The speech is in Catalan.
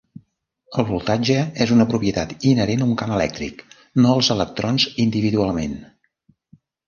El voltatge és una propietat inherent a un camp elèctric, no als electrons individualment.